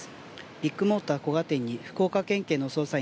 ビッグモーター古賀店に福岡県警の捜査員